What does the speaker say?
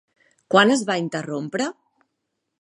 Quan es va interrompre?